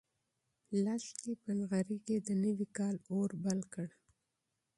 لښتې په نغري کې د نوي کال اور بل کړ.